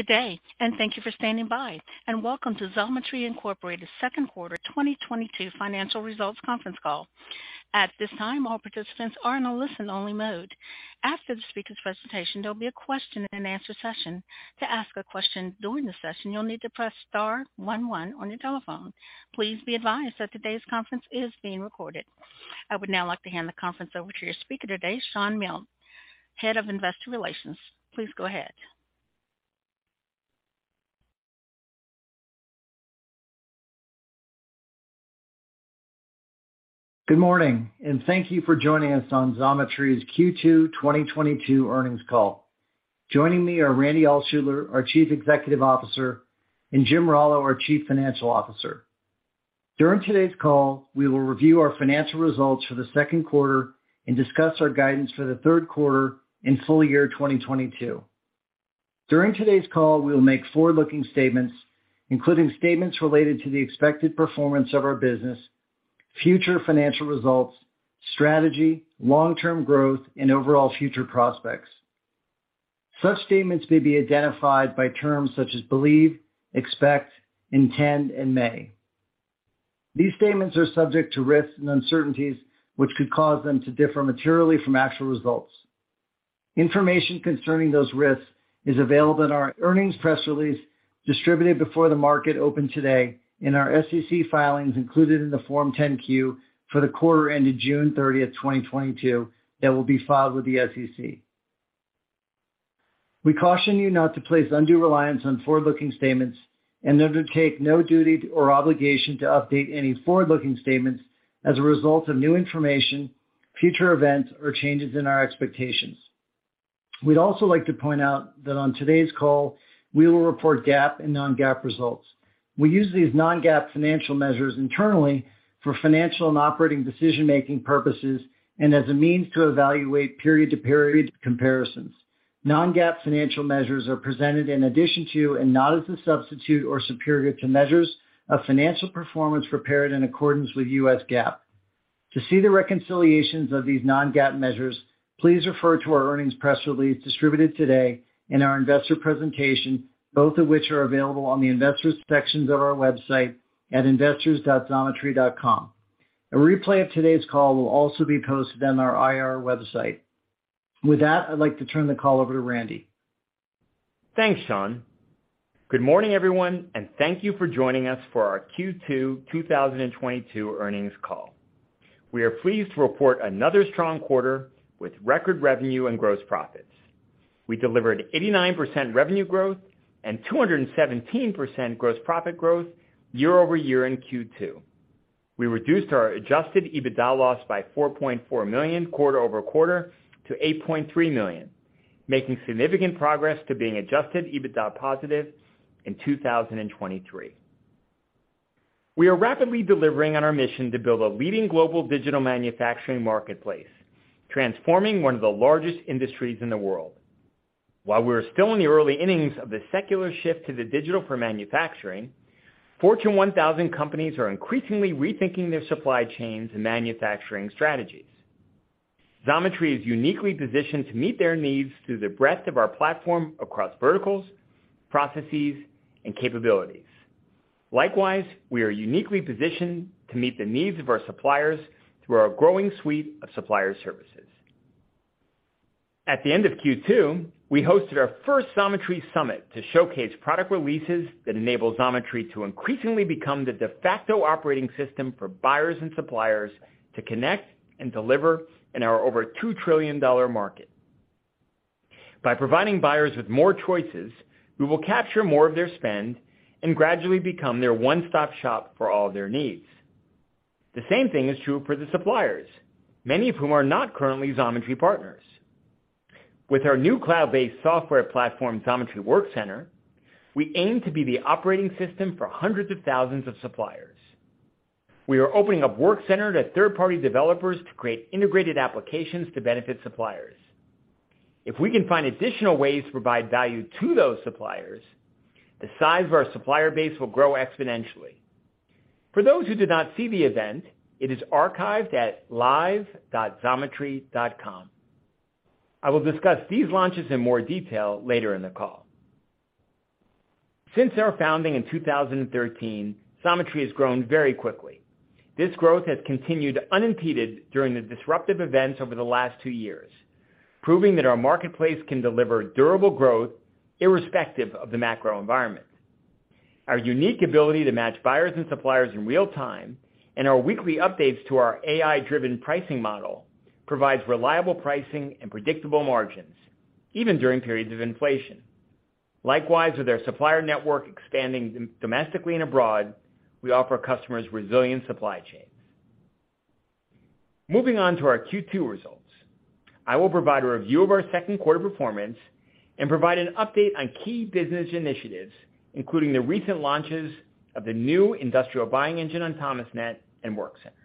Good day, thank you for standing by, and welcome to Xometry, Inc. Q2 2022 financial results conference call. At this time, all participants are in a listen only mode. After the speaker's presentation, there'll be a question and answer session. To ask a question during the session, you'll need to press star one one on your telephone. Please be advised that today's conference is being recorded. I would now like to hand the conference over to your speaker today, Shawn Milne, Head of Investor Relations. Please go ahead. Good morning, and thank you for joining us on Xometry's Q2 2022 earnings call. Joining me are Randy Altschuler, our Chief Executive Officer, and Jim Rallo, our Chief Financial Officer. During today's call, we will review our financial results for the Q2 and discuss our guidance for the Q3 and full year 2022. During today's call, we will make forward-looking statements, including statements related to the expected performance of our business, future financial results, strategy, long-term growth, and overall future prospects. Such statements may be identified by terms such as believe, expect, intend, and may. These statements are subject to risks and uncertainties which could cause them to differ materially from actual results. Information concerning those risks is available in our earnings press release distributed before the market opened today, and our SEC filings included in the Form 10-Q for the quarter ended June 30, 2022, that will be filed with the SEC. We caution you not to place undue reliance on forward-looking statements and undertake no duty or obligation to update any forward-looking statements as a result of new information, future events, or changes in our expectations. We'd also like to point out that on today's call, we will report GAAP and non-GAAP results. We use these non-GAAP financial measures internally for financial and operating decision-making purposes and as a means to evaluate period-to-period comparisons. Non-GAAP financial measures are presented in addition to and not as a substitute or superior to measures of financial performance prepared in accordance with US GAAP. To see the reconciliations of these non-GAAP measures, please refer to our earnings press release distributed today in our investor presentation, both of which are available on the investors section of our website at investors.xometry.com. A replay of today's call will also be posted on our IR website. With that, I'd like to turn the call over to Randy. Thanks, Sean. Good morning, everyone, and thank you for joining us for our Q2 2022 earnings call. We are pleased to report another strong quarter with record revenue and gross profits. We delivered 89% revenue growth and 217% gross profit growth year-over-year in Q2. We reduced our adjusted EBITDA loss by $4.4 million quarter-over-quarter to $8.3 million, making significant progress to being adjusted EBITDA positive in 2023. We are rapidly delivering on our mission to build a leading global digital manufacturing marketplace, transforming one of the largest industries in the world. While we're still in the early innings of the secular shift to the digital for manufacturing, Fortune 1000 companies are increasingly rethinking their supply chains and manufacturing strategies. Xometry is uniquely positioned to meet their needs through the breadth of our platform across verticals, processes, and capabilities. Likewise, we are uniquely positioned to meet the needs of our suppliers through our growing suite of supplier services. At the end of Q2, we hosted our first Xometry Summit to showcase product releases that enable Xometry to increasingly become the de facto operating system for buyers and suppliers to connect and deliver in our over $2 trillion market. By providing buyers with more choices, we will capture more of their spend and gradually become their one-stop-shop for all their needs. The same thing is true for the suppliers, many of whom are not currently Xometry partners. With our new cloud-based software platform, Xometry WorkCenter, we aim to be the operating system for hundreds of thousands of suppliers. We are opening up WorkCenter to third-party developers to create integrated applications to benefit suppliers. If we can find additional ways to provide value to those suppliers, the size of our supplier base will grow exponentially. For those who did not see the event, it is archived at live.xometry.com. I will discuss these launches in more detail later in the call. Since our founding in 2013, Xometry has grown very quickly. This growth has continued unimpeded during the disruptive events over the last two years, proving that our marketplace can deliver durable growth irrespective of the macro environment. Our unique ability to match buyers and suppliers in real time, and our weekly updates to our AI-driven pricing model provides reliable pricing and predictable margins, even during periods of inflation. Likewise, with our supplier network expanding domestically and abroad, we offer customers resilient supply chains. Moving on to our Q2 results. I will provide a review of our Q2 performance and provide an update on key business initiatives, including the recent launches of the new Industrial Buying Engine on Thomasnet and WorkCenter.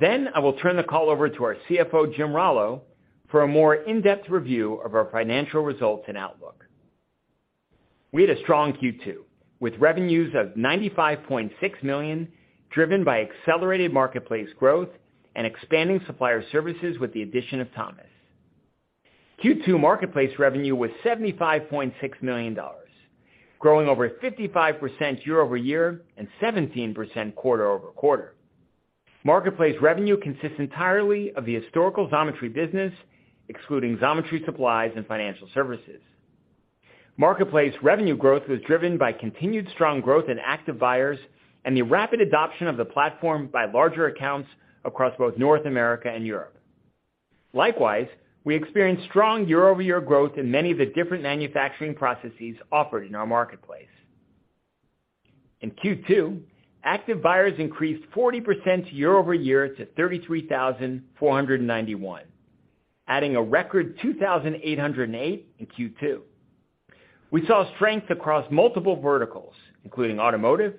I will turn the call over to our CFO, Jim Rallo, for a more in-depth review of our financial results and outlook. We had a strong Q2, with revenues of $95.6 million, driven by accelerated marketplace growth and expanding supplier services with the addition of Thomas. Q2 marketplace revenue was $75.6 million, growing over 55% year-over-year and 17% quarter-over-quarter. Marketplace revenue consists entirely of the historical Xometry business, excluding Xometry Supplies and financial services. Marketplace revenue growth was driven by continued strong growth in active buyers and the rapid adoption of the platform by larger accounts across both North America and Europe. Likewise, we experienced strong year-over-year growth in many of the different manufacturing processes offered in our marketplace. In Q2, active buyers increased 40% year-over-year to 33,491, adding a record 2,808 in Q2. We saw strength across multiple verticals, including automotive,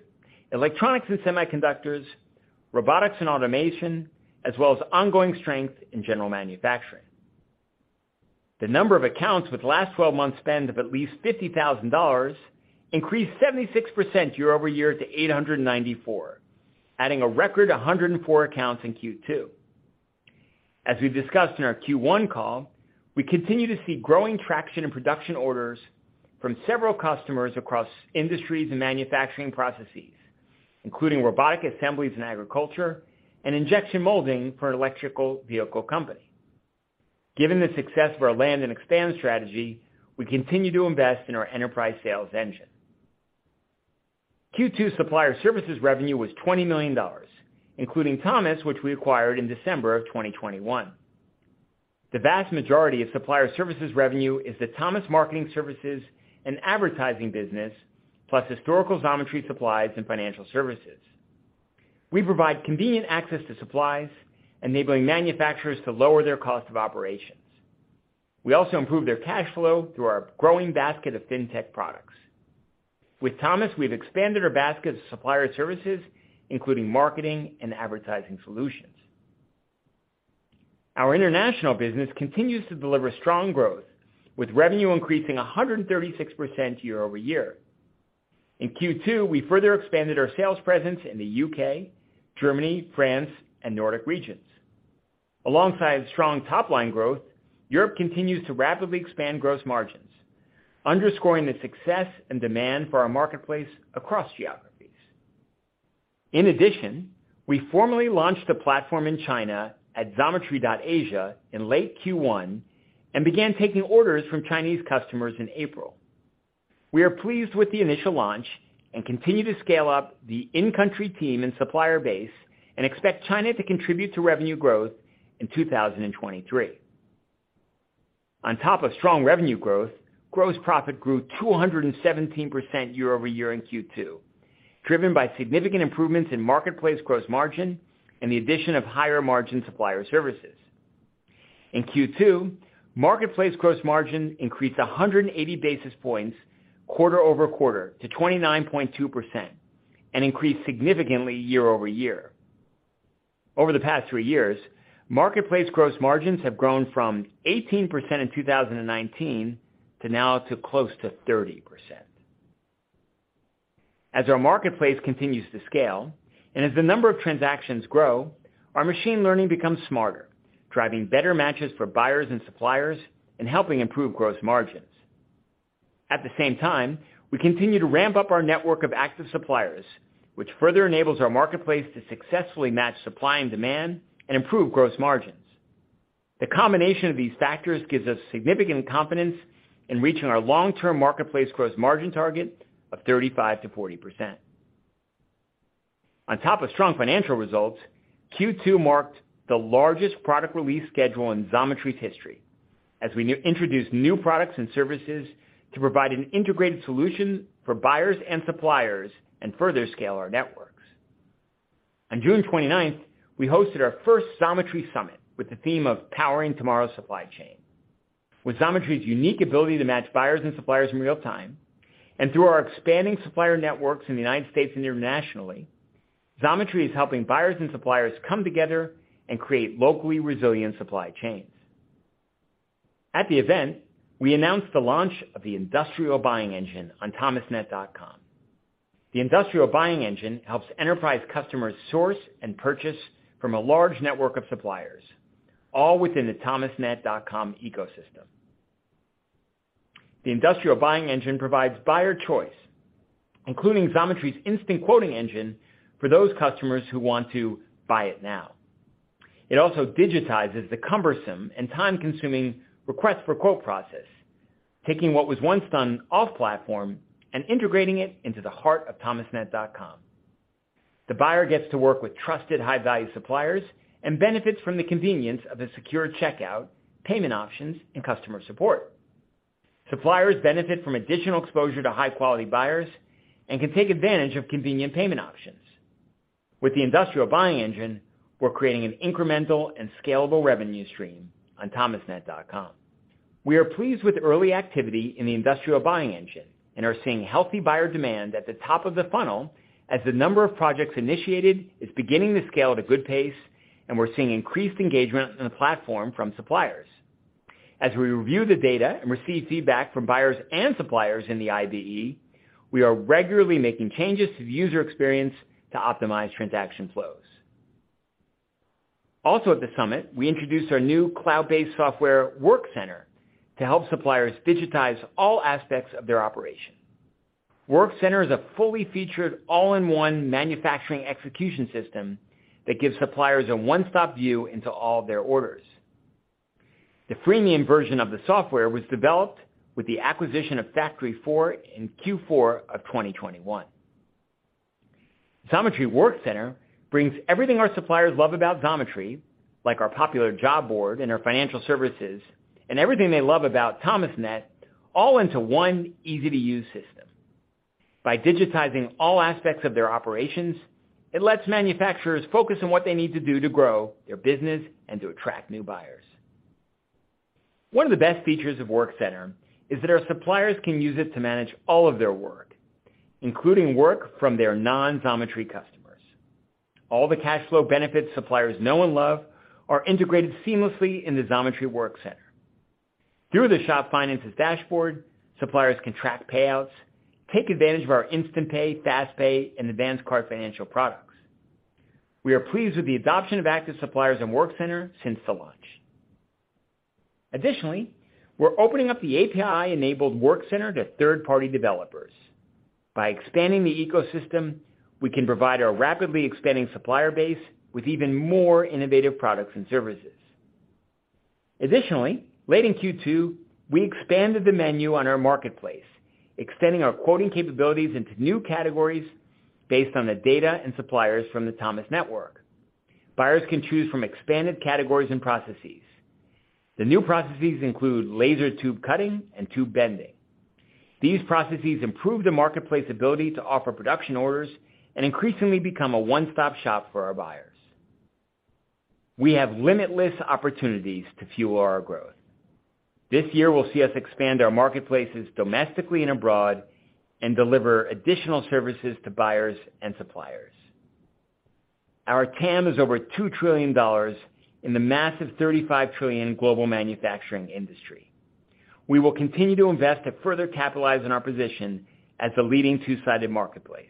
electronics and semiconductors, robotics and automation, as well as ongoing strength in general manufacturing. The number of accounts with last 12 months' spend of at least $50,000 increased 76% year-over-year to 894, adding a record 104 accounts in Q2. As we've discussed in our Q1 call, we continue to see growing traction in production orders from several customers across industries and manufacturing processes, including robotic assemblies in agriculture and injection molding for an electric vehicle company. Given the success of our land and expand strategy, we continue to invest in our enterprise sales engine. Q2 supplier services revenue was $20 million, including Thomas, which we acquired in December of 2021. The vast majority of supplier services revenue is the Thomas marketing services and advertising business, plus historical Xometry Supplies and financial services. We provide convenient access to supplies, enabling manufacturers to lower their cost of operations. We also improve their cash flow through our growing basket of fintech products. With Thomas, we've expanded our basket of supplier services, including marketing and advertising solutions. Our international business continues to deliver strong growth, with revenue increasing 136% year-over-year. In Q2, we further expanded our sales presence in the U.K., Germany, France, and Nordic regions. Alongside strong top-line growth, Europe continues to rapidly expand gross margins, underscoring the success and demand for our marketplace across geographies. In addition, we formally launched the platform in China at Xometry.asia in late Q1 and began taking orders from Chinese customers in April. We are pleased with the initial launch and continue to scale up the in-country team and supplier base and expect China to contribute to revenue growth in 2023. On top of strong revenue growth, gross profit grew 217% year-over-year in Q2, driven by significant improvements in marketplace gross margin and the addition of higher margin supplier services. In Q2, marketplace gross margin increased 180 basis points quarter-over-quarter to 29.2% and increased significantly year-over-year. Over the past three years, marketplace gross margins have grown from 18% in 2019 to now to close to 30%. As our marketplace continues to scale and as the number of transactions grow, our machine learning becomes smarter, driving better matches for buyers and suppliers and helping improve gross margins. At the same time, we continue to ramp up our network of active suppliers, which further enables our marketplace to successfully match supply and demand and improve gross margins. The combination of these factors gives us significant confidence in reaching our long-term marketplace gross margin target of 35%-40%. On top of strong financial results, Q2 marked the largest product release schedule in Xometry's history as we introduced new products and services to provide an integrated solution for buyers and suppliers and further scale our networks. On June twenty-ninth, we hosted our first Xometry Summit with the theme of Powering Tomorrow's Supply Chain. With Xometry's unique ability to match buyers and suppliers in real time and through our expanding supplier networks in the United States and internationally, Xometry is helping buyers and suppliers come together and create locally resilient supply chains. At the event, we announced the launch of the Industrial Buying Engine on thomasnet.com. The Industrial Buying Engine helps enterprise customers source and purchase from a large network of suppliers, all within the thomasnet.com ecosystem. The Industrial Buying Engine provides buyer choice, including Xometry's instant quoting engine for those customers who want to buy it now. It also digitizes the cumbersome and time-consuming request for quote process, taking what was once done off-platform and integrating it into the heart of thomasnet.com. The buyer gets to work with trusted high-value suppliers and benefits from the convenience of a secure checkout, payment options, and customer support. Suppliers benefit from additional exposure to high-quality buyers and can take advantage of convenient payment options. With the Industrial Buying Engine, we're creating an incremental and scalable revenue stream on thomasnet.com. We are pleased with early activity in the Industrial Buying Engine and are seeing healthy buyer demand at the top of the funnel as the number of projects initiated is beginning to scale at a good pace. We're seeing increased engagement in the platform from suppliers. As we review the data and receive feedback from buyers and suppliers in the IBE, we are regularly making changes to the user experience to optimize transaction flows. Also at the summit, we introduced our new cloud-based software WorkCenter to help suppliers digitize all aspects of their operation. WorkCenter is a fully featured all-in-one manufacturing execution system that gives suppliers a one-stop view into all of their orders. The freemium version of the software was developed with the acquisition of FactoryFour in Q4 of 2021. Xometry WorkCenter brings everything our suppliers love about Xometry, like our popular job board and our financial services, and everything they love about Thomasnet all into one easy-to-use system. By digitizing all aspects of their operations, it lets manufacturers focus on what they need to do to grow their business and to attract new buyers. One of the best features of WorkCenter is that our suppliers can use it to manage all of their work, including work from their non-Xometry customers. All the cash flow benefits suppliers know and love are integrated seamlessly in the Xometry WorkCenter. Through the Shop Finances dashboard, suppliers can track payouts, take advantage of our InstantPay, FastPay, and Advance Card financial products. We are pleased with the adoption of active suppliers in WorkCenter since the launch. Additionally, we're opening up the API-enabled WorkCenter to third-party developers. By expanding the ecosystem, we can provide our rapidly expanding supplier base with even more innovative products and services. Additionally, late in Q2, we expanded the menu on our marketplace, extending our quoting capabilities into new categories based on the data and suppliers from the Thomas network. Buyers can choose from expanded categories and processes. The new processes include laser tube cutting and tube bending. These processes improve the marketplace ability to offer production orders and increasingly become a one-stop shop for our buyers. We have limitless opportunities to fuel our growth. This year will see us expand our marketplaces domestically and abroad and deliver additional services to buyers and suppliers. Our TAM is over $2 trillion in the massive $35 trillion global manufacturing industry. We will continue to invest to further capitalize on our position as the leading two-sided marketplace.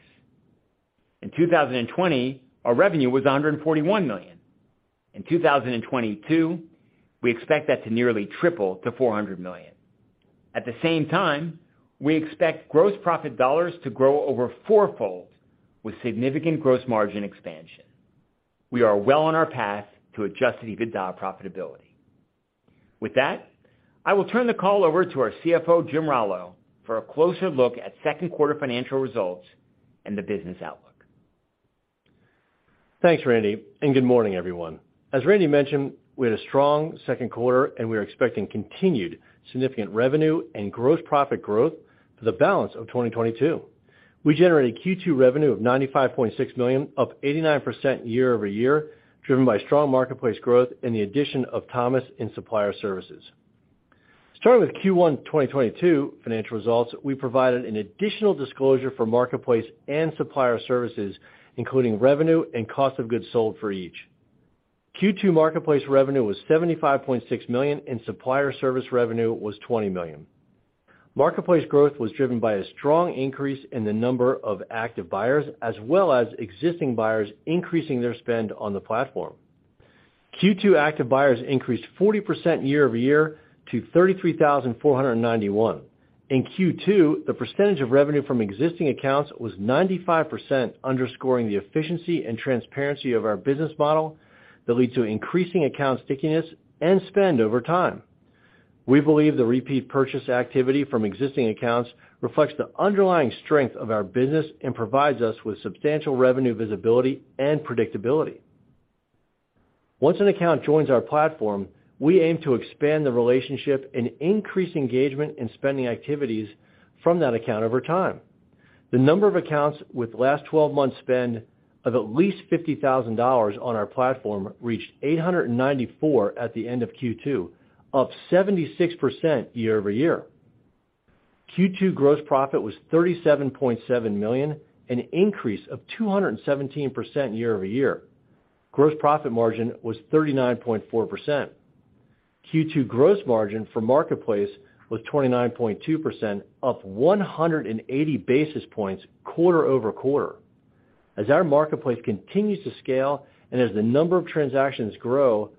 In 2020, our revenue was $141 million. In 2022, we expect that to nearly triple to $400 million. At the same time, we expect gross profit dollars to grow over four-fold with significant gross margin expansion. We are well on our path to adjusted EBITDA profitability. With that, I will turn the call over to our CFO, Jim Rallo, for a closer look at Q2 financial results and the business outlook. Thanks, Randy, and good morning, everyone. As Randy mentioned, we had a strong Q2 and we are expecting continued significant revenue and gross profit growth for the balance of 2022. We generated Q2 revenue of $95.6 million, up 89% year-over-year, driven by strong marketplace growth and the addition of Thomas and supplier services. Starting with Q1 2022 financial results, we provided an additional disclosure for marketplace and supplier services, including revenue and cost of goods sold for each. Q2 marketplace revenue was $75.6 million and supplier service revenue was $20 million. Marketplace growth was driven by a strong increase in the number of active buyers as well as existing buyers increasing their spend on the platform. Q2 active buyers increased 40% year-over-year to 33,491. In Q2, the percentage of revenue from existing accounts was 95%, underscoring the efficiency and transparency of our business model that lead to increasing account stickiness and spend over time. We believe the repeat purchase activity from existing accounts reflects the underlying strength of our business and provides us with substantial revenue visibility and predictability. Once an account joins our platform, we aim to expand the relationship and increase engagement in spending activities from that account over time. The number of accounts with last 12 months spend of at least $50,000 on our platform reached 894 at the end of Q2, up 76% year-over-year. Q2 gross profit was $37.7 million, an increase of 217% year-over-year. Gross profit margin was 39.4%. Q2 gross margin for Marketplace was 29.2%, up 180 basis points quarter-over-quarter. Our marketplace continues to scale and as the number of transactions grow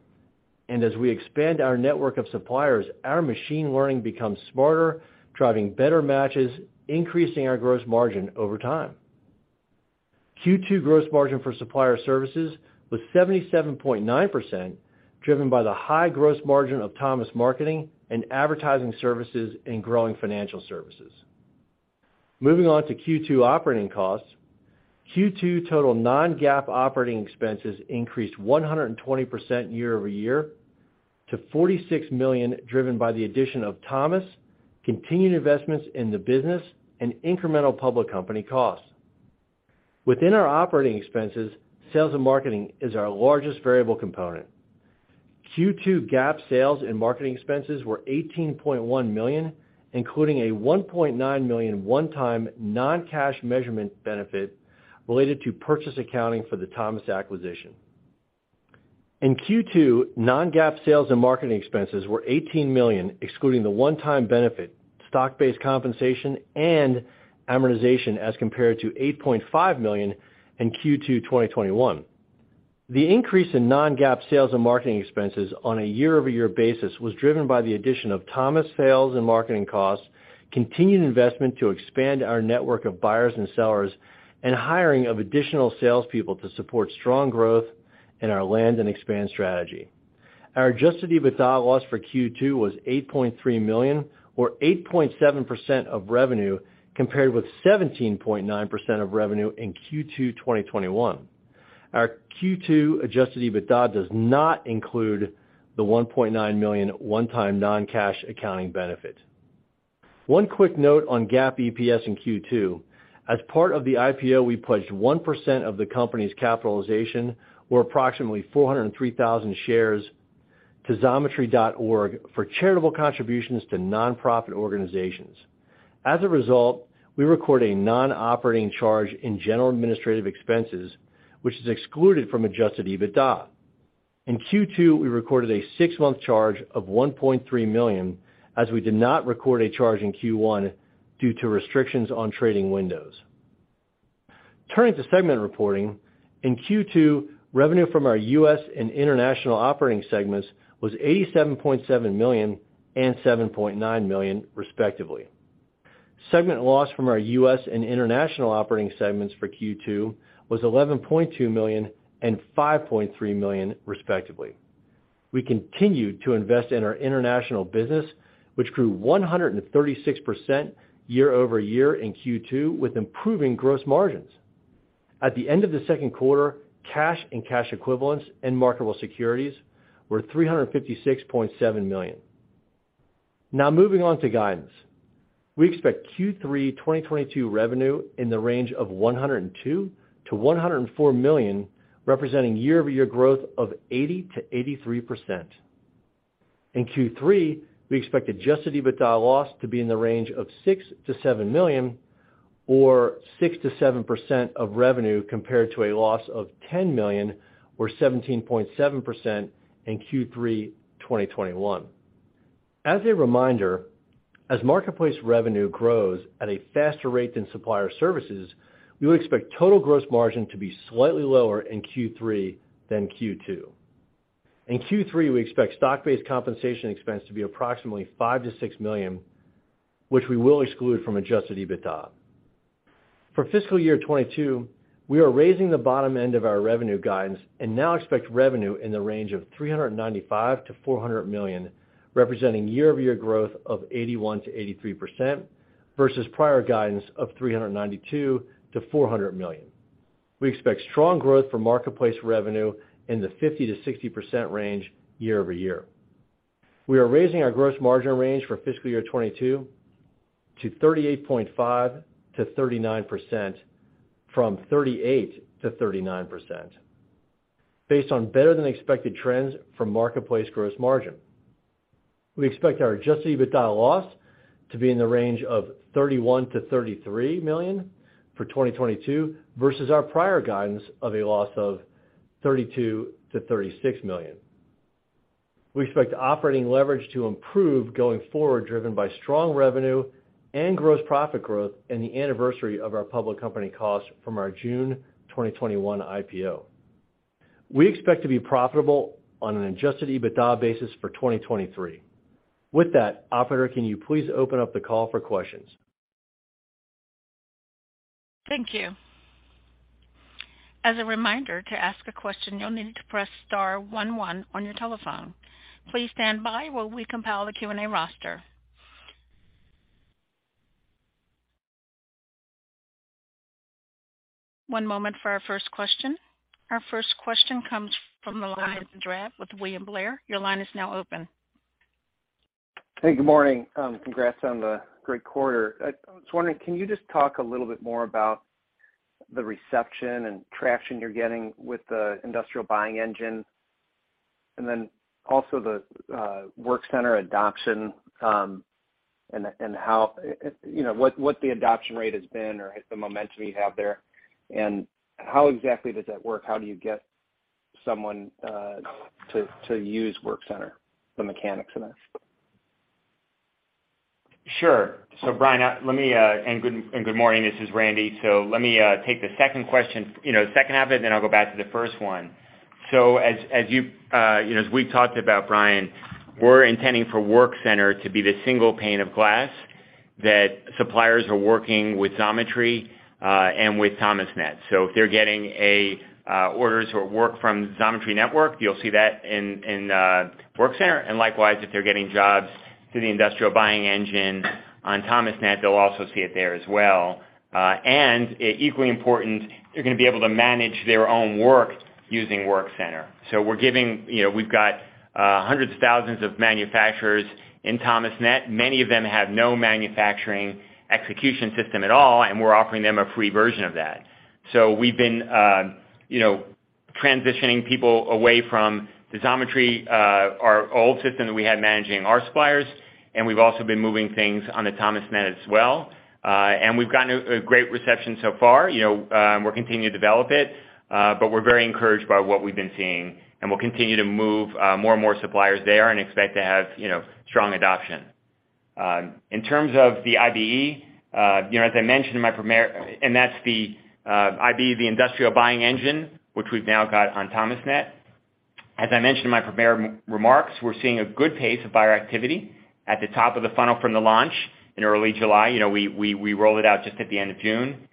and as we expand our network of suppliers, our machine learning becomes smarter, driving better matches, increasing our gross margin over time. Q2 gross margin for supplier services was 77.9%, driven by the high gross margin of Thomas marketing and advertising services and growing financial services. Moving on to Q2 operating costs. Q2 total non-GAAP operating expenses increased 120% year-over-year to $46 million, driven by the addition of Thomas, continued investments in the business, and incremental public company costs. Within our operating expenses, sales and marketing is our largest variable component. Q2 GAAP sales and marketing expenses were $18.1 million, including a $1.9 million one-time non-cash measurement benefit related to purchase accounting for the Thomas acquisition. In Q2, non-GAAP sales and marketing expenses were $18 million, excluding the one-time benefit, stock-based compensation, and amortization as compared to $8.5 million in Q2 2021. The increase in non-GAAP sales and marketing expenses on a year-over-year basis was driven by the addition of Thomas sales and marketing costs, continued investment to expand our network of buyers and sellers, and hiring of additional salespeople to support strong growth in our land and expand strategy. Our adjusted EBITDA loss for Q2 was $8.3 million or 8.7% of revenue compared with 17.9% of revenue in Q2 2021. Our Q2 adjusted EBITDA does not include the $1.9 million one-time non-cash accounting benefit. One quick note on GAAP EPS in Q2. As part of the IPO, we pledged 1% of the company's capitalization or approximately 403,000 shares to Xometry.org for charitable contributions to nonprofit organizations. As a result, we record a non-operating charge in general and administrative expenses, which is excluded from adjusted EBITDA. In Q2, we recorded a six-month charge of $1.3 million as we did not record a charge in Q1 due to restrictions on trading windows. Turning to segment reporting, in Q2, revenue from our U.S. and international operating segments was $87.7 million and $7.9 million, respectively. Segment loss from our U.S. and international operating segments for Q2 was $11.2 million and $5.3 million, respectively. We continued to invest in our international business, which grew 136% year-over-year in Q2 with improving gross margins. At the end of the Q2, cash and cash equivalents and marketable securities were $356.7 million. Now moving on to guidance. We expect Q3 2022 revenue in the range of $102 million-$104 million, representing year-over-year growth of 80%-83%. In Q3, we expect adjusted EBITDA loss to be in the range of $6 million-$7 million or 6%-7% of revenue compared to a loss of $10 million or 17.7% in Q3 2021. As a reminder, as marketplace revenue grows at a faster rate than supplier services, we would expect total gross margin to be slightly lower in Q3 than Q2. In Q3, we expect stock-based compensation expense to be approximately $5-$6 million, which we will exclude from adjusted EBITDA. For fiscal year 2022, we are raising the bottom end of our revenue guidance and now expect revenue in the range of $395-$400 million, representing year-over-year growth of 81%-83% versus prior guidance of $392-$400 million. We expect strong growth for marketplace revenue in the 50%-60% range year-over-year. We are raising our gross margin range for fiscal year 2022 to 38.5%-39% from 38%-39% based on better than expected trends from marketplace gross margin. We expect our adjusted EBITDA loss to be in the range of $31-$33 million for 2022 versus our prior guidance of a loss of $32-$36 million. We expect operating leverage to improve going forward, driven by strong revenue and gross profit growth and the anniversary of our public company costs from our June 2021 IPO. We expect to be profitable on an adjusted EBITDA basis for 2023. With that, operator, can you please open up the call for questions? Thank you. As a reminder, to ask a question, you'll need to press star one one on your telephone. Please stand by while we compile the Q&A roster. One moment for our first question. Our first question comes from the line of Brian Drab with William Blair. Your line is now open. Hey, good morning. Congrats on the great quarter. I was wondering, can you just talk a little bit more about the reception and traction you're getting with the Industrial Buying Engine? And then also the WorkCenter adoption, and how you know what the adoption rate has been or the momentum you have there? And how exactly does that work? How do you get someone to use WorkCenter, the mechanics of this? Sure. Good morning, this is Randy. Brian, let me take the second question, you know, second half of it, then I'll go back to the first one. As you know, as we talked about, Brian, we're intending for WorkCenter to be the single pane of glass that suppliers are working with Xometry and with Thomasnet. If they're getting orders or work from Xometry network, you'll see that in WorkCenter. Likewise, if they're getting jobs through the Industrial Buying Engine on Thomasnet, they'll also see it there as well. Equally important, they're gonna be able to manage their own work using WorkCenter. We're giving, you know, we've got hundreds of thousands of manufacturers in Thomasnet. Many of them have no manufacturing execution system at all, and we're offering them a free version of that. We've been, you know- Transitioning people away from Xometry, our old system that we had managing our suppliers, and we've also been moving things on the Thomasnet as well. We've gotten a great reception so far, you know, we're continuing to develop it, but we're very encouraged by what we've been seeing, and we'll continue to move more and more suppliers there and expect to have, you know, strong adoption. In terms of the IBE, you know. That's the IBE, the Industrial Buying Engine, which we've now got on Thomasnet. As I mentioned in my prepared remarks, we're seeing a good pace of buyer activity at the top of the funnel from the launch in early July. You know, we rolled it out just at the end of June.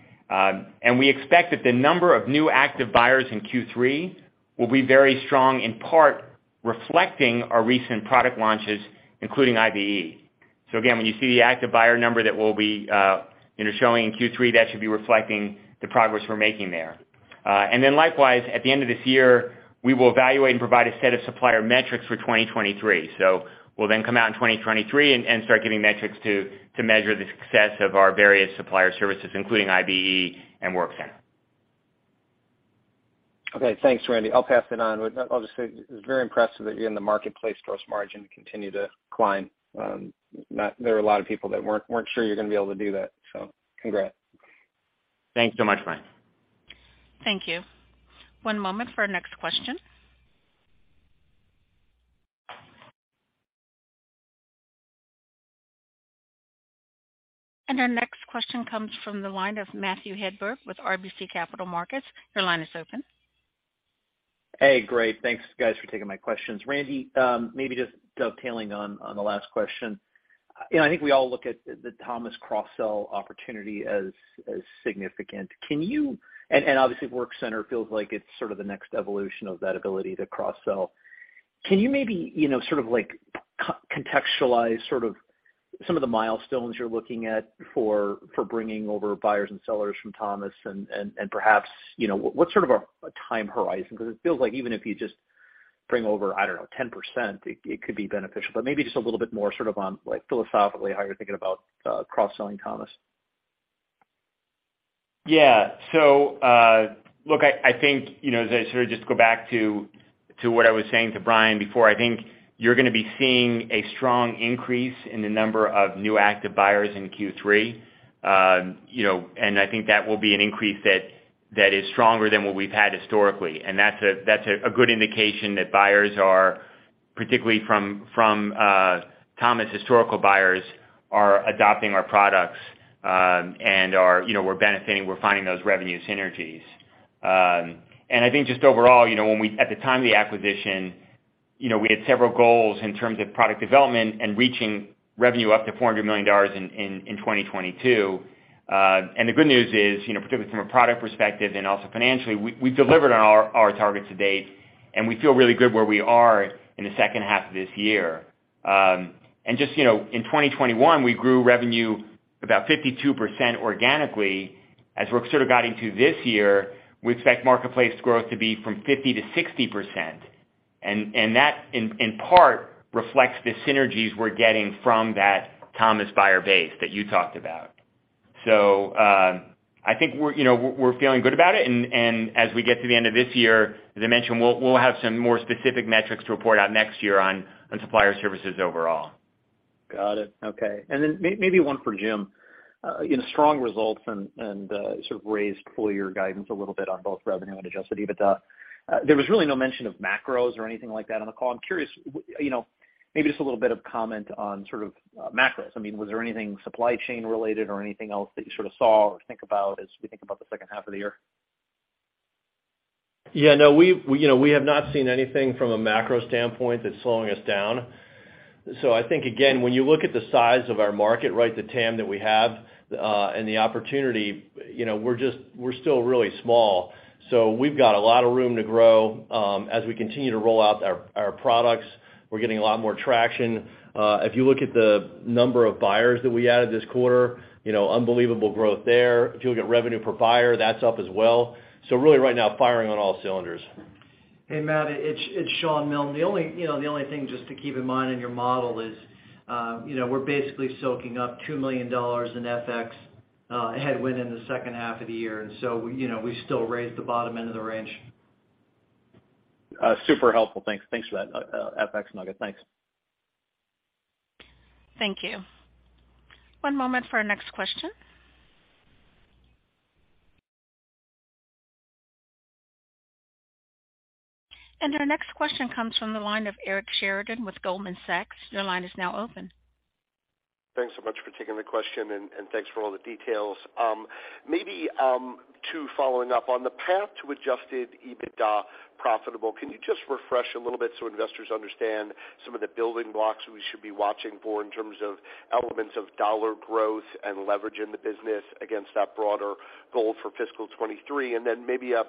We expect that the number of new active buyers in Q3 will be very strong, in part reflecting our recent product launches, including IBE. Again, when you see the active buyer number that we'll be, you know, showing in Q3, that should be reflecting the progress we're making there. Likewise, at the end of this year, we will evaluate and provide a set of supplier metrics for 2023. We'll then come out in 2023 and start giving metrics to measure the success of our various supplier services, including IBE and WorkCenter. Okay, thanks, Randy. I'll pass it on. I'll just say it's very impressive that you're in the marketplace gross margin continue to climb. There are a lot of people that weren't sure you're gonna be able to do that. Congrats. Thanks so much, Brian. Thank you. One moment for our next question. Our next question comes from the line of Matthew Hedberg with RBC Capital Markets. Your line is open. Hey. Great. Thanks, guys, for taking my questions. Randy, maybe just dovetailing on the last question. You know, I think we all look at the Thomas cross-sell opportunity as significant. Obviously WorkCenter feels like it's sort of the next evolution of that ability to cross-sell. Can you maybe, you know, sort of like contextualize sort of some of the milestones you're looking at for bringing over buyers and sellers from Thomas and perhaps, you know, what's sort of a time horizon? 'Cause it feels like even if you just bring over, I don't know, 10% it could be beneficial. Maybe just a little bit more sort of on, like, philosophically how you're thinking about cross-selling Thomas. Yeah. Look, I think, you know, as I sort of just go back to what I was saying to Brian before, I think you're gonna be seeing a strong increase in the number of new active buyers in Q3. You know, I think that will be an increase that is stronger than what we've had historically. That's a good indication that buyers are, particularly from Thomas historical buyers, adopting our products, and, you know, we're benefiting, we're finding those revenue synergies. I think just overall, you know, at the time of the acquisition, you know, we had several goals in terms of product development and reaching revenue up to $400 million in 2022. The good news is, you know, particularly from a product perspective and also financially, we've delivered on our targets to date, and we feel really good where we are in the second half of this year. Just, you know, in 2021, we grew revenue about 52% organically. As we sort of got into this year, we expect marketplace growth to be from 50%-60%. That in part reflects the synergies we're getting from that Thomas buyer base that you talked about. I think we're feeling good about it. As we get to the end of this year, as I mentioned, we'll have some more specific metrics to report out next year on supplier services overall. Got it. Okay. Maybe one for Jim. You know, strong results and sort of raised full year guidance a little bit on both revenue and adjusted EBITDA. There was really no mention of macros or anything like that on the call. I'm curious. You know, maybe just a little bit of comment on sort of macros. I mean, was there anything supply chain related or anything else that you sort of saw or think about as we think about the second half of the year? Yeah. No, we you know, we have not seen anything from a macro standpoint that's slowing us down. I think, again, when you look at the size of our market, right? The TAM that we have and the opportunity, you know, we're just still really small. We've got a lot of room to grow as we continue to roll out our products. We're getting a lot more traction. If you look at the number of buyers that we added this quarter, you know, unbelievable growth there. If you look at revenue per buyer, that's up as well. Really right now, firing on all cylinders. Hey, Matt, it's Shawn Milne. The only thing you know just to keep in mind in your model is you know we're basically soaking up $2 million in FX headwind in the second half of the year. You know, we still raised the bottom end of the range. Super helpful. Thanks. Thanks for that, FX nugget. Thanks. Thank you. One moment for our next question. Our next question comes from the line of Eric Sheridan with Goldman Sachs. Your line is now open. Thanks so much for taking the question, and thanks for all the details. Maybe two follow-ups. On the path to adjusted EBITDA profitability, can you just refresh a little bit so investors understand some of the building blocks we should be watching for in terms of elements of dollar growth and leverage in the business against that broader goal for fiscal 2023? Then maybe a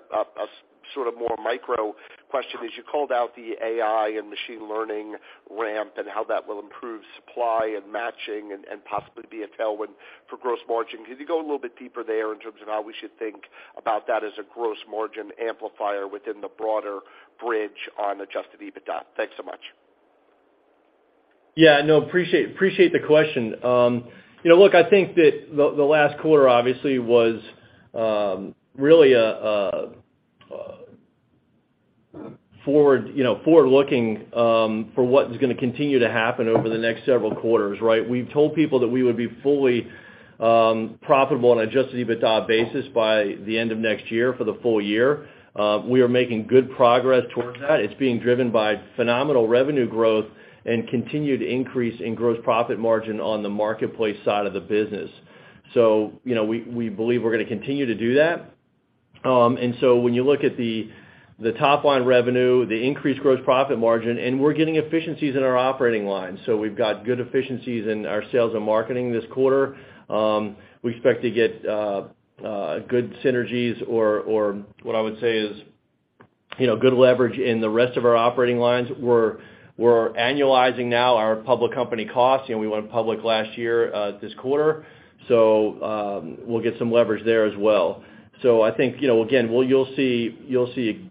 sort of more micro question is, you called out the AI and machine learning ramp and how that will improve supply and matching and possibly be a tailwind for gross margin. Could you go a little bit deeper there in terms of how we should think about that as a gross margin amplifier within the broader bridge on adjusted EBITDA? Thanks so much. Yeah, no, appreciate the question. You know, look, I think that the last quarter obviously was really a forward-looking for what is gonna continue to happen over the next several quarters, right? We've told people that we would be fully profitable on adjusted EBITDA basis by the end of next year for the full year. We are making good progress towards that. It's being driven by phenomenal revenue growth and continued increase in gross profit margin on the marketplace side of the business. You know, we believe we're gonna continue to do that. When you look at the top line revenue, the increased gross profit margin, and we're getting efficiencies in our operating lines. We've got good efficiencies in our sales and marketing this quarter. We expect to get good synergies or what I would say is, you know, good leverage in the rest of our operating lines. We're annualizing now our public company costs, you know, we went public last year, this quarter. We'll get some leverage there as well. I think, you know, again, you'll see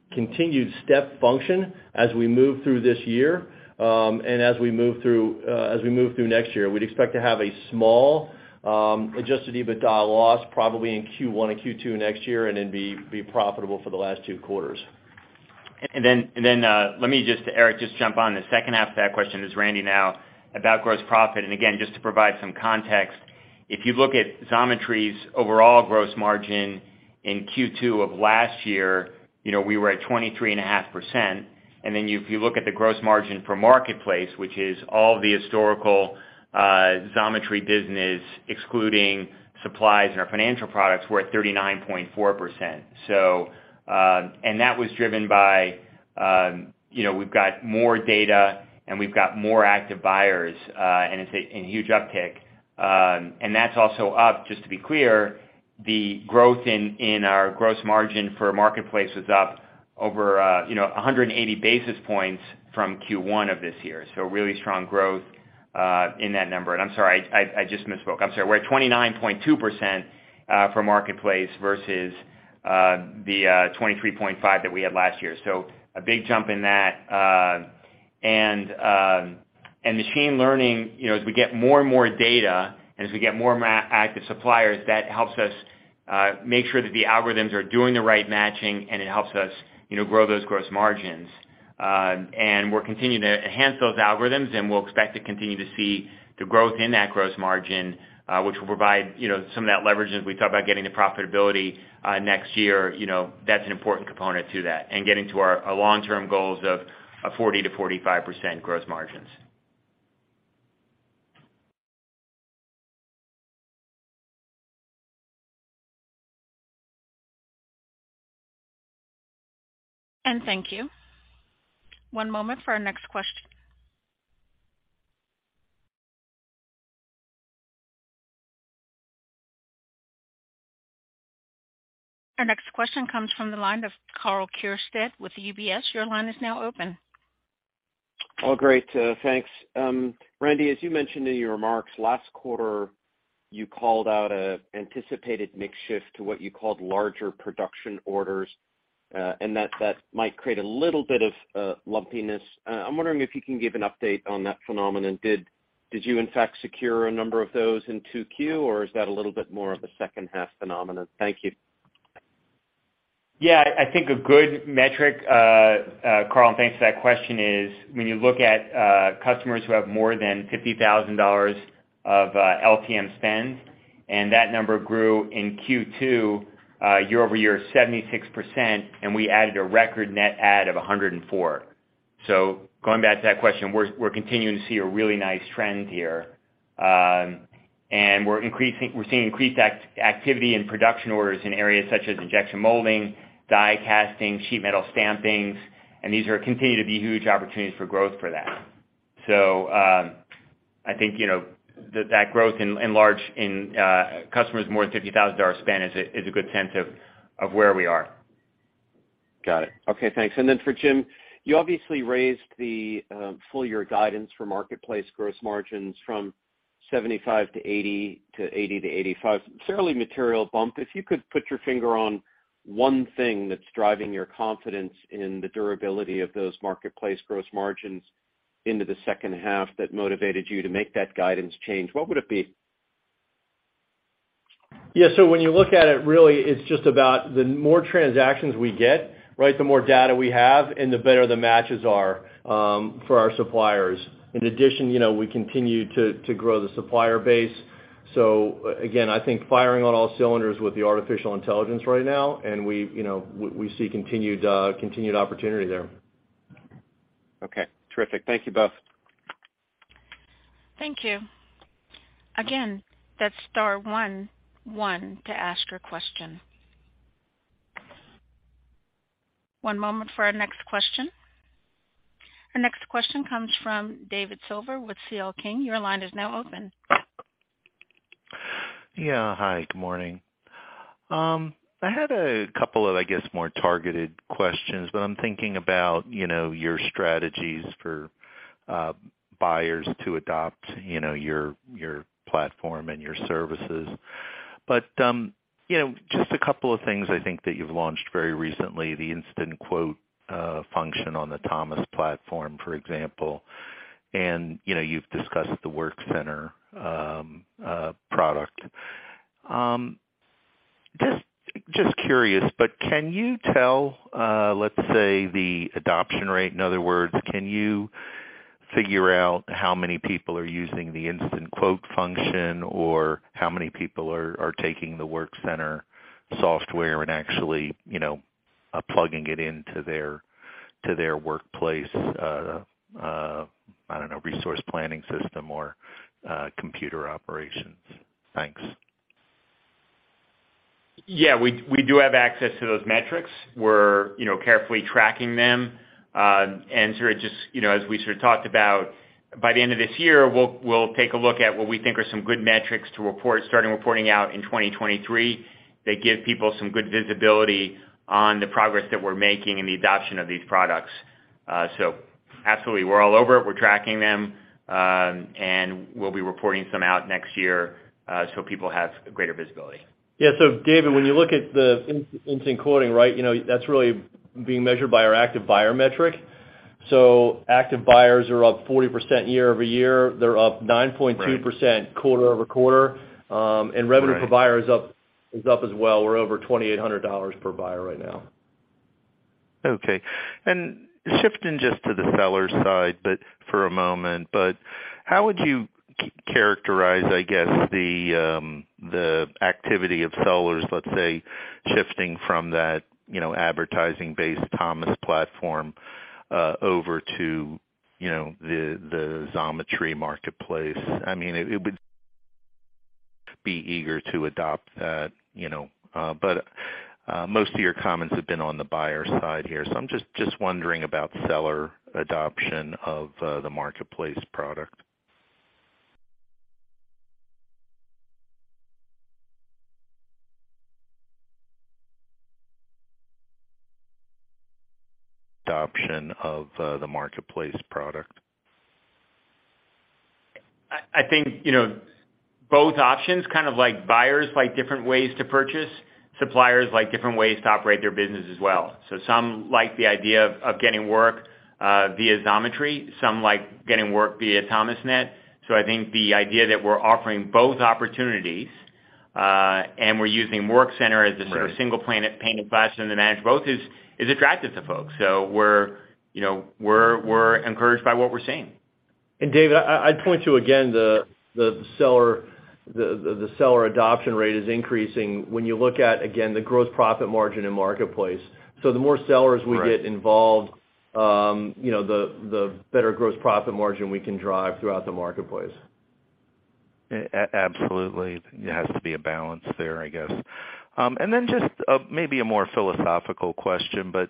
a continued step function as we move through this year, and as we move through next year. We'd expect to have a small adjusted EBITDA loss probably in Q1 or Q2 next year, and then be profitable for the last two quarters. Let me just, Eric, jump on the second half of that question. This is Randy now about gross profit. Again, just to provide some context, if you look at Xometry's overall gross margin in Q2 of last year, we were at 23.5%. Then if you look at the gross margin for marketplace, which is all the historical Xometry business, excluding supplies and our financial products, we're at 39.4%. That was driven by, we've got more data, and we've got more active buyers, and it's a huge uptick. That's also up, just to be clear, the growth in our gross margin for marketplace was up over 180 basis points from Q1 of this year. Really strong growth in that number. I'm sorry, I just misspoke. I'm sorry. We're at 29.2% for marketplace versus the 23.5% that we had last year. A big jump in that. And machine learning, you know, as we get more and more data, and as we get more active suppliers, that helps us make sure that the algorithms are doing the right matching, and it helps us, you know, grow those gross margins. And we're continuing to enhance those algorithms, and we'll expect to continue to see the growth in that gross margin, which will provide, you know, some of that leverage as we talk about getting to profitability next year. You know, that's an important component to that and getting to our long-term goals of 40%-45% gross margins. Thank you. One moment for our next question. Our next question comes from the line of Karl Keirstead with UBS. Your line is now open. Oh, great, thanks. Randy, as you mentioned in your remarks, last quarter, you called out an anticipated mix shift to what you called larger production orders, and that might create a little bit of lumpiness. I'm wondering if you can give an update on that phenomenon. Did you in fact secure a number of those in 2Q, or is that a little bit more of a second-half phenomenon? Thank you. Yeah, I think a good metric, Karl, and thanks for that question, is when you look at customers who have more than $50,000 of LTM spend, and that number grew in Q2 year-over-year 76%, and we added a record net add of 104. Going back to that question, we're continuing to see a really nice trend here. We're seeing increased activity in production orders in areas such as injection molding, die casting, sheet metal stamping, and these continue to be huge opportunities for growth for that. I think, you know, that growth in large customers more than $50,000 dollar spend is a good sense of where we are. Got it. Okay, thanks. For Jim, you obviously raised the full year guidance for marketplace gross margins from 75%-80% to 80%-85%, fairly material bump. If you could put your finger on one thing that's driving your confidence in the durability of those marketplace gross margins into the second half that motivated you to make that guidance change, what would it be? Yeah. When you look at it, really, it's just about the more transactions we get, right? The more data we have, and the better the matches are, for our suppliers. In addition, you know, we continue to grow the supplier base. Again, I think firing on all cylinders with the artificial intelligence right now, and we, you know, see continued opportunity there. Okay. Terrific. Thank you both. Thank you. Again, that's star one one to ask your question. One moment for our next question. Our next question comes from David Silver with C.L. King. Your line is now open. Yeah. Hi, good morning. I had a couple of, I guess, more targeted questions, but I'm thinking about, you know, your strategies for, buyers to adopt, you know, your platform and your services. You know, just a couple of things I think that you've launched very recently, the instant quote function on the Thomasnet platform, for example. You know, you've discussed the WorkCenter product. Just curious, but can you tell, let's say, the adoption rate? In other words, can you figure out how many people are using the instant quote function or how many people are taking the WorkCenter software and actually, you know, plugging it into their workplace, I don't know, resource planning system or, computer operations? Thanks. Yeah, we do have access to those metrics. We're, you know, carefully tracking them. Sort of just, you know, as we sort of talked about, by the end of this year, we'll take a look at what we think are some good metrics to report, starting reporting out in 2023. They give people some good visibility on the progress that we're making and the adoption of these products. Absolutely. We're all over it. We're tracking them. We'll be reporting some out next year, so people have greater visibility. Yeah. David, when you look at the instant quoting, right? You know, that's really being measured by our active buyer metric. Active buyers are up 40% year-over-year. They're up 9.2%. Right. -quarter over quarter. Um, and revenue- Right. Per buyer is up as well. We're over $2,800 per buyer right now. Okay. Shifting just to the seller side, but for a moment, how would you characterize, I guess, the activity of sellers, let's say, shifting from that, you know, advertising-based Thomas platform, over to, you know, the Xometry marketplace? I mean, it would be eager to adopt that, you know. But, most of your comments have been on the buyer side here, so I'm just wondering about seller adoption of the marketplace product. I think, you know, both options, kind of like buyers like different ways to purchase, suppliers like different ways to operate their business as well. Some like the idea of getting work via Xometry, some like getting work via Thomasnet. I think the idea that we're offering both opportunities, and we're using WorkCenter as the- Right. sort of single pane of glass platform to manage both is attractive to folks. We're, you know, encouraged by what we're seeing. David, I'd point to, again, the seller adoption rate is increasing when you look at, again, the gross profit margin in marketplace. The more sellers we get- Right. -involved, you know, the better gross profit margin we can drive throughout the marketplace. Absolutely. There has to be a balance there, I guess. Then just maybe a more philosophical question, but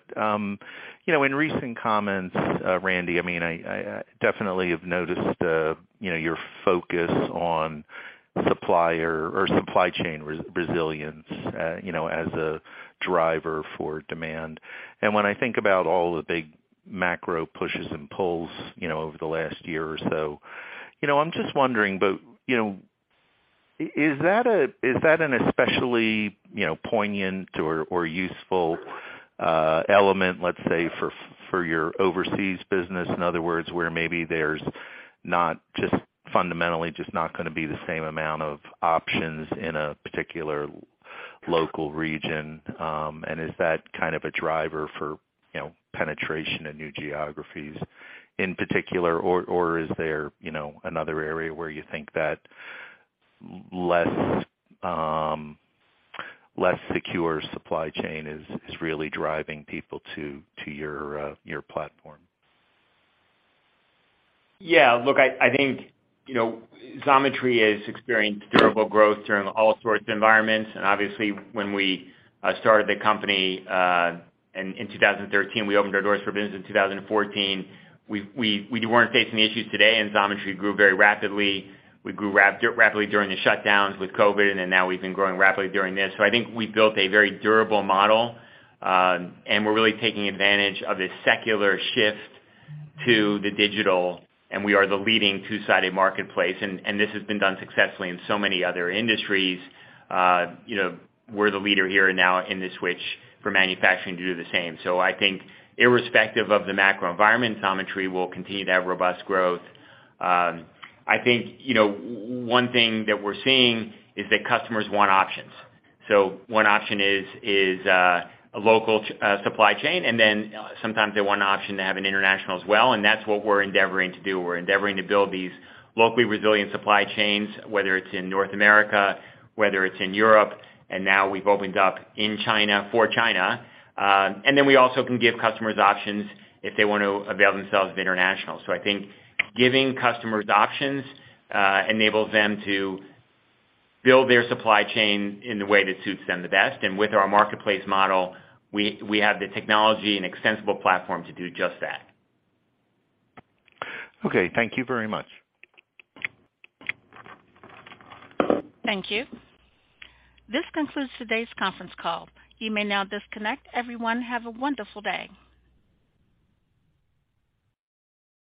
you know, in recent comments, Randy, I mean, I definitely have noticed, you know, your focus on supplier or supply chain resilience, you know, as a driver for demand. When I think about all the big macro pushes and pulls, you know, over the last year or so, you know, I'm just wondering, you know, is that an especially, you know, poignant or useful element, let's say, for your overseas business, in other words, where maybe there's not just fundamentally not gonna be the same amount of options in a particular local region? Is that kind of a driver for, you know, penetration in new geographies in particular, or is there, you know, another area where you think that less secure supply chain is really driving people to your platform? Yeah. Look, I think, you know, Xometry has experienced durable growth during all sorts of environments. Obviously, when we started the company in 2013, we opened our doors for business in 2014. We weren't facing the issues today, and Xometry grew very rapidly. We grew rapidly during the shutdowns with COVID, and then now we've been growing rapidly during this. I think we've built a very durable model, and we're really taking advantage of this secular shift to the digital, and we are the leading two-sided marketplace. This has been done successfully in so many other industries. You know, we're the leader here now in this switch for manufacturing to do the same. I think irrespective of the macro environment, Xometry will continue to have robust growth. I think, you know, one thing that we're seeing is that customers want options. One option is a local supply chain, and then sometimes they want an option to have an international as well, and that's what we're endeavoring to do. We're endeavoring to build these locally resilient supply chains, whether it's in North America, whether it's in Europe, and now we've opened up in China for China. We also can give customers options if they want to avail themselves of international. I think giving customers options enables them to build their supply chain in the way that suits them the best. With our marketplace model, we have the technology and extensible platform to do just that. Okay. Thank you very much. Thank you. This concludes today's conference call. You may now disconnect. Everyone, have a wonderful day.